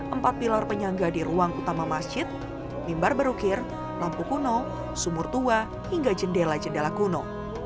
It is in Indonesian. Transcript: empat pilar penyangga di ruang utama masjid mimbar berukir lampu kuno sumur tua hingga jendela jendela kuno